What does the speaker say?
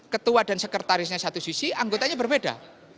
ketua dan sekretarisnya satu sisi anggotanya berbeda